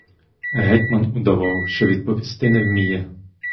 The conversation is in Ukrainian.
Гетьман удавав, що відповісти не вміє.